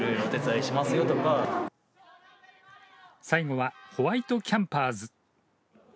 最後はホワイトキャンパーズ。